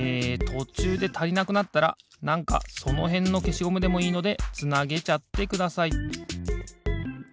とちゅうでたりなくなったらなんかそのへんのけしゴムでもいいのでつなげちゃってください。